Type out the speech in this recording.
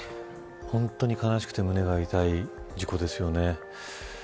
本当に悲しくて胸が痛い事故ですよね。